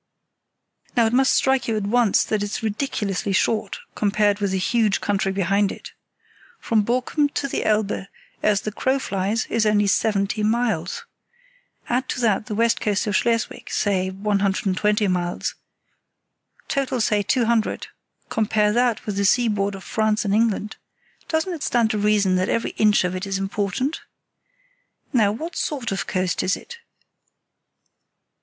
"Now it must strike you at once that it's ridiculously short compared with the huge country behind it. From Borkum to the Elbe, as the crow flies, is only seventy miles. Add to that the west coast of Schleswig, say 120 miles. Total, say, two hundred. Compare that with the seaboard of France and England. Doesn't it stand to reason that every inch of it is important? Now what sort of coast is it?